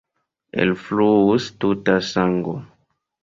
Elfluus tuta sango.